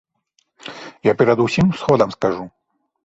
Я перад усім сходам скажу.